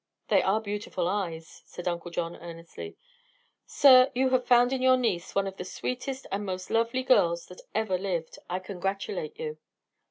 "They are beautiful eyes," said Uncle John, earnestly. "Sir, you have found in your niece one of the sweetest and most lovely girls that ever lived. I congratulate you!"